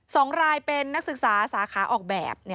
สองรายเป็นนักศึกษาสาขาออกแบบ